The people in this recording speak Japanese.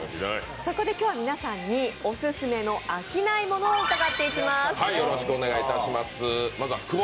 そこで今日は皆さんにオススメの飽きないものを伺っていきます。